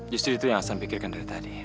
justru itu yang saya pikirkan dari tadi